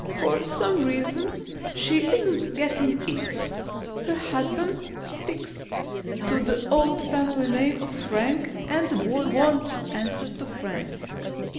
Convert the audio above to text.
For some reason she isn't getting it. Her husband sticks to the old family name of Frank and the boy won't answer to Francis.